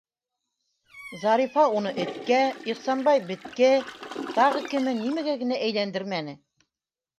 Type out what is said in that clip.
Зарифа уны эткә, Ихсанбай беткә, тағы кеме нимәгә генә әйләндермәне!